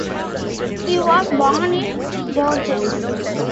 He was born in Bourges.